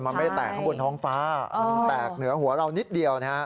มันไม่แตกข้างบนท้องฟ้ามันแตกเหนือหัวเรานิดเดียวนะฮะ